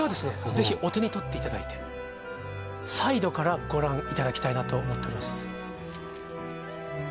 ぜひお手に取っていただいてサイドからご覧いただきたいなと思っております